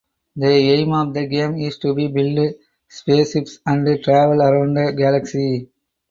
The aim of the game is to build spaceships and travel around the galaxy.